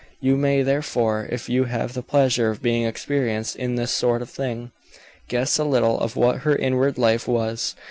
You may, therefore, if you have the pleasure of being experienced in this sort of thing, guess a little of what her inward life was.